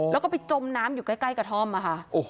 แล้วก็ไปจมน้ำอยู่ใกล้กระท่อมค่ะ